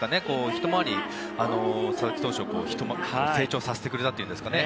ひと回り、佐々木投手を成長させてくれたというんですかね。